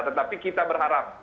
tetapi kita berharap